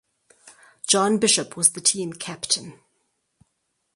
John Bishop was the team captain.